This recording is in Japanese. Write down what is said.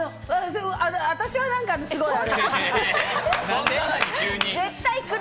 私は何かすごい。